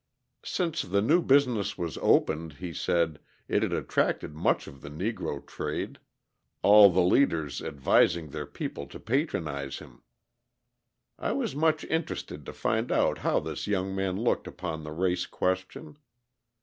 Since the new business was opened, he said, it had attracted much of the Negro trade; all the leaders advising their people to patronise him. I was much interested to find out how this young man looked upon the race question.